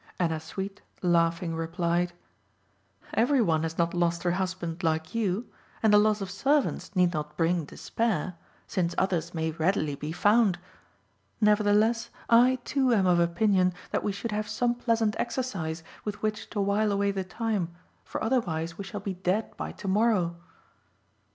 Ennasuite laughing replied "Every one has not lost her husband like you, and the loss of servants need not bring despair, since others may readily be found. Nevertheless, I too am of opinion that we should have some pleasant exercise with which to while away the time, for otherwise we shall be dead by to morrow."